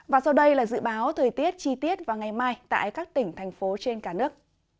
và sau đây là dự báo thời tiết chi tiết vào ngày mai tại các tỉnh thành phố trên cả nước